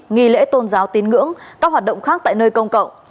nghi lễ tôn giáo tín ngưỡng các hoạt động khác tại nơi công cộng